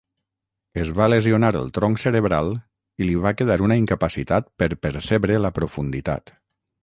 Es va lesionar el tronc cerebral i li va quedar una incapacitat per percebre la profunditat.